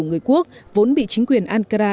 người quốc vốn bị chính quyền ankara